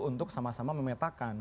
untuk sama sama memetakan